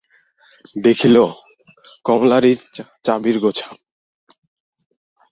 দেখিল, কমলারই চাবির গোছা।